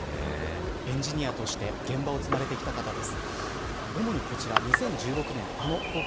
エンジニアとして現場を積まれてきた方です。